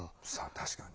確かに。